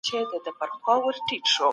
سياسي ثبات د پياوړي دولت پايله نه ده؟